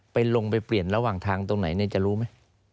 ลงไปเปลี่ยนระหว่างทางตรงไหนจะรู้ไหม